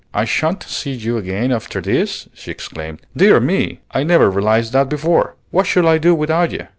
I sha'n't see you again after this!" she exclaimed. "Dear me! I never realized that before. What shall I do without you?"